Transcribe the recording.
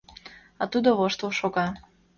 А тудо воштыл шога.